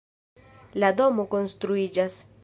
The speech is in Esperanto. La domo konstruiĝas.